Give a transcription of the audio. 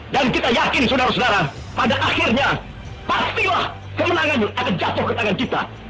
dan kita yakin saudara saudara pada akhirnya pastilah kemenangan akan jatuh ke tangan kita